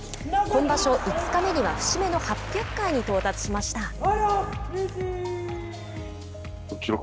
今場所５日目には節目の８００回に到達しました。